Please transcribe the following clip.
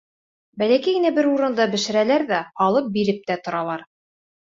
Бәләкәй генә бер урында бешерәләр ҙә һалып биреп тә торалар.